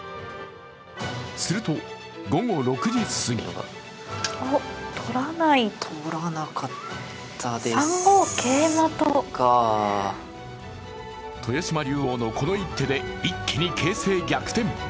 すると午後６時すぎ豊島竜王のこの一手で一気に形勢逆転。